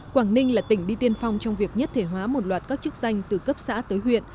quảng ninh là tỉnh đi tiên phong trong việc nhất thể hóa một loạt các chức danh từ cấp xã tới huyện